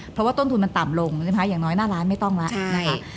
เพราะว่าต้นทุนมันต่ำลงใช่ไหมคะอย่างน้อยหน้าร้านไม่ต้องแล้วนะคะ